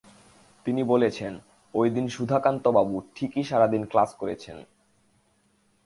তিনি বলেছেন, ঐদিন সুধাকান্তবাবু ঠিকই সারা দিন ক্লাস করেছেন।